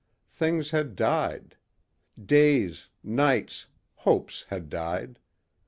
Things had died. Days, nights, hopes had died.